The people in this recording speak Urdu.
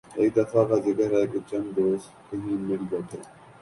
ایک دفعہ کا ذکر ہے کہ چند دوست کہیں مل بیٹھے